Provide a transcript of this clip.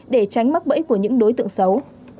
để tránh mắc bẫy của những đối tượng xấu